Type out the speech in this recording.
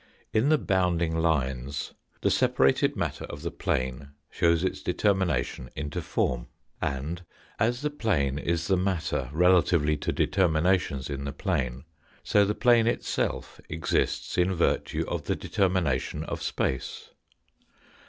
In the bounding lines the separated matter of the plane shows its determination into form. And as the plane is the matter relatively to determinations in the plane, so the plane itself exists in virtue of the determination of space.